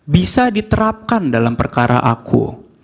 bisa diterapkan dalam perkara aku